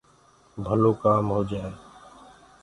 ڀلو ڪآم هوجآئي